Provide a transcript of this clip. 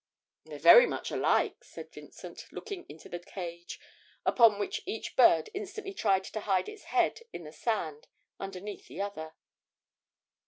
'They're very much alike,' said Vincent, looking into the cage, upon which each bird instantly tried to hide its head in the sand underneath the other.